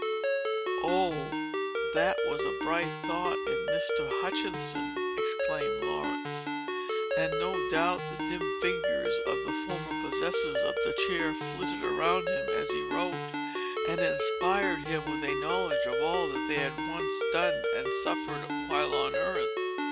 "Oh, that was a bright thought in Mr. Hutchinson!" exclaimed Laurence. "And, no doubt, the dim figures of the former possessors of the chair flitted around him, as he wrote, and inspired him with a knowledge of all that they had done and suffered while on earth."